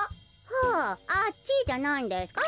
はああっちじゃないんですか？